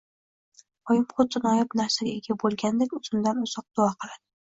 Oyim xuddi noyob narsaga ega bo‘lgandek, uzundanuzoq duo qiladi.